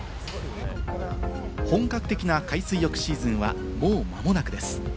本格的な海水浴シーズンは、もうまもなくです。